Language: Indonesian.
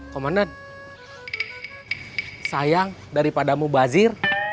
komandan sayang daripadamu bazir